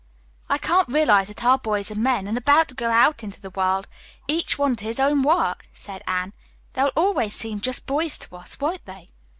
"I can't realize that our boys are men, and about to go out into the world, each one to his own work," said Anne. "They will always seem just boys to us, won't they?"